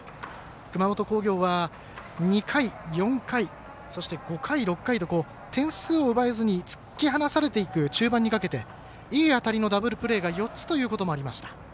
熊本工業は、２回、４回そして５回、６回と点数を奪えずに突き放されていく中盤にかけていい当たりのダブルプレーが４つということもありました。